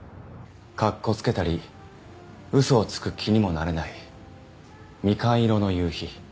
かっこつけたりウソをつく気にもなれないみかん色の夕日